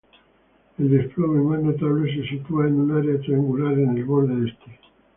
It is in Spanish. El desplome más notable se sitúa en un área triangular en el borde este.